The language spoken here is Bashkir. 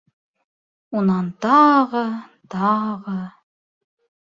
Унан тағы, тағы...